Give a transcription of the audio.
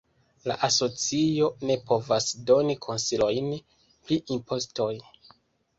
La asocio ne povas doni konsilojn pri impostoj.